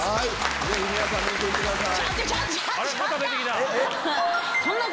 ぜひ皆さん見てください。